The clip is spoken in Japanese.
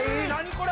これ！